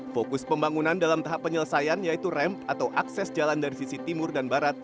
fokus pembangunan dalam tahap penyelesaian yaitu rem atau akses jalan dari sisi timur dan barat